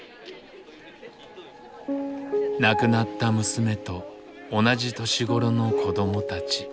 亡くなった娘と同じ年頃の子どもたち。